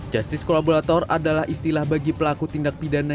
justice kolaborator adalah istilah bagi pelaku tindak pidana